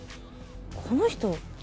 この人。